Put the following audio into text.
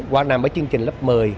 qua nằm ở chương trình lớp một mươi